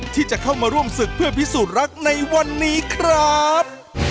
ที่จะเข้ามาร่วมศึกเพื่อพิสูจน์รักในวันนี้ครับ